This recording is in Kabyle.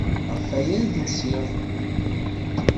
Ɣef waya ay d-usiɣ.